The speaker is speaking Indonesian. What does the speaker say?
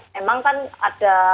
memang kan ada